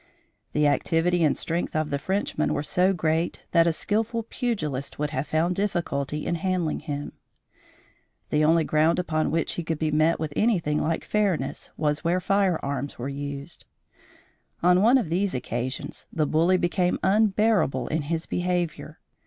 The activity and strength of the Frenchman were so great that a skilful pugilist would have found difficulty in handling him. The only ground upon which he could be met with anything like fairness was where firearms were used. On one of these occasions, the bully became unbearable in his behavior.